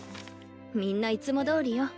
みんないつもどおりよ。